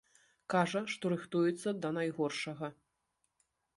Кажа, што рыхтуецца да найгоршага.